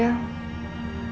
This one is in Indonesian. lihat senyum kamu aja